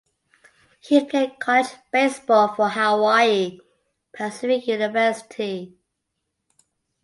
He played college baseball for Hawaii Pacific University.